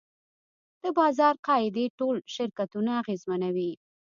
د بازار قاعدې ټول شرکتونه اغېزمنوي.